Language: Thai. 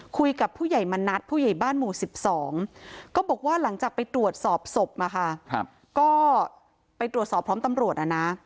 คุยกับผู้ใหญ่มณัฐผู้ใหญ่บ้านหมู่๑๒ก็บอกว่าหลังจากไปตรวจสอบศพมาค่ะก็ไปตรวจสอบพร้อมตำรวจนะนะ